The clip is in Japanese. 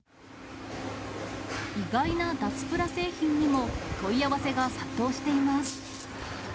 意外な脱プラ製品にも、問い合わせが殺到しています。